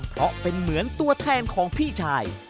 เพราะเป็นเหมือนตัวแทนของพี่ชาย